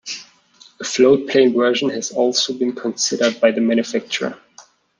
A floatplane version has also been considered by the manufacturer.